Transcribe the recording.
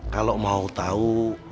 kalau mau tau